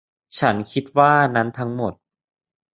ฉันคิดว่านั้นทั้งหมด